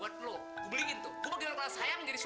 aku yang bilang sendiri